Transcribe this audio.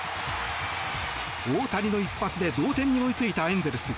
大谷の一発で同点に追いついたエンゼルス。